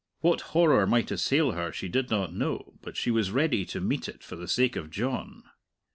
What horror might assail her she did not know, but she was ready to meet it for the sake of John.